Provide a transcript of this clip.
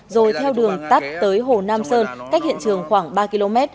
rồi theo đường tắt tới hồ nam sơn cách hiện trường khoảng ba km